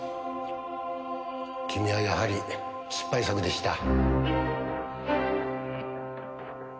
君はやはり失敗作でした。